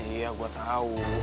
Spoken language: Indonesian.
iya gua tau